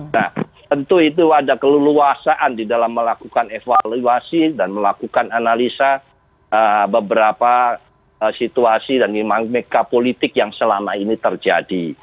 nah tentu itu ada keleluasaan di dalam melakukan evaluasi dan melakukan analisa beberapa situasi dan memang meka politik yang selama ini terjadi